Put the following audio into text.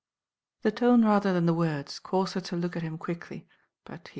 The tone rather than the word, cauied her to look «thmi quickly, but he wa.